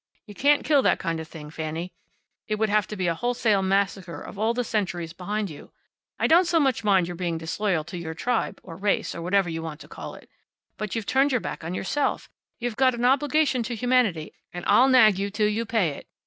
You can't kill that kind of thing, Fanny. It would have to be a wholesale massacre of all the centuries behind you. I don't so much mind your being disloyal to your tribe, or race, or whatever you want to call it. But you've turned your back on yourself; you've got an obligation to humanity, and I'll nag you till you pay it.